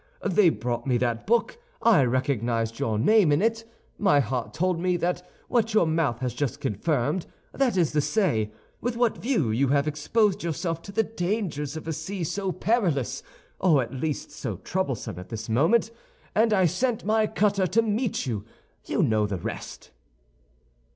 They brought me that book. I recognized your name in it. My heart told me what your mouth has just confirmed—that is to say, with what view you have exposed yourself to the dangers of a sea so perilous, or at least so troublesome at this moment—and I sent my cutter to meet you. You know the rest."